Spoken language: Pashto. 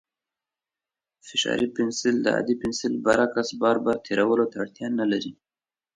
فشاري پنسل د عادي پنسل برعکس، بار بار تېرولو ته اړتیا نه لري.